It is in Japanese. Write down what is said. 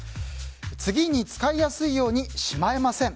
次に使いやすいようにしまえません。